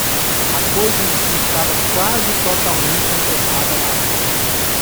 A coisa em si estava quase totalmente enterrada na areia.